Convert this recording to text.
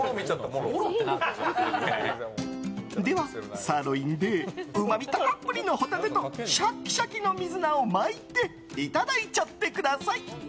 では、サーロインでうまみたっぷりのホタテとシャキシャキの水菜を巻いていただいちゃってください！